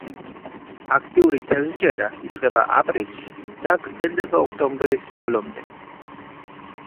აქტიური თევზჭერა იწყება აპრილში და გრძელდება ოქტომბრის ბოლომდე.